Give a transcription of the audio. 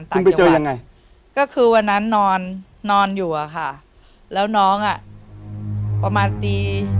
ไปเจอยังไงก็คือวันนั้นนอนนอนอยู่อะค่ะแล้วน้องอ่ะประมาณตี